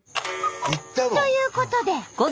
ということで。